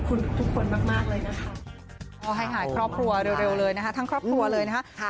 ขอให้หายครอบครัวเร็วเลยนะครับทั้งครอบครัวเลยนะครับ